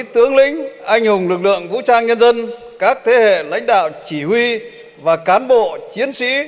xin trân trọng kính mời